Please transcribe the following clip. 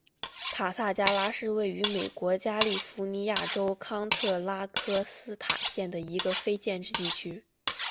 塔萨加拉是位于美国加利福尼亚州康特拉科斯塔县的一个非建制地区。